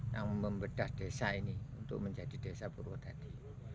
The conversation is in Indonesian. yang membedah desa ini untuk menjadi desa purwodadi